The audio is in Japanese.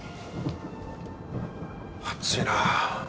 暑いなぁ。